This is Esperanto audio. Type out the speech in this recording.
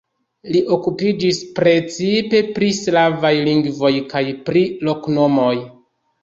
Li okupiĝis precipe pri slavaj lingvoj kaj pri loknomoj.